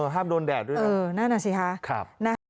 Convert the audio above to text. ห้ามโดนแดดด้วยครับครับนะครับเออนั่นน่ะสิครับ